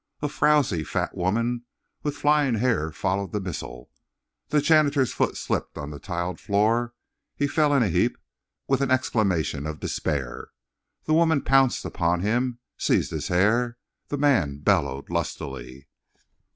A frowsy, fat woman with flying hair followed the missile. The janitor's foot slipped on the tiled floor, he fell in a heap with an exclamation of despair. The woman pounced upon him and seized his hair. The man bellowed lustily.